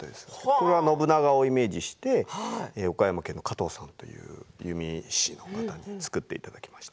これは信長をイメージして岡山県の加藤さんという弓師の方に作っていただきました。